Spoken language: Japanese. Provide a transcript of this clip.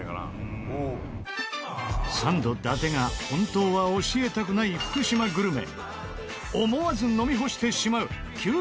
サンド伊達が本当は教えたくない福島グルメ。